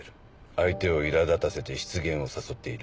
相手をいら立たせて失言を誘っている。